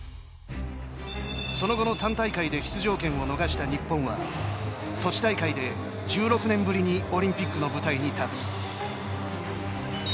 その後の３大会で出場権を逃した日本はソチ大会で１６年ぶりにオリンピックの舞台に立つ。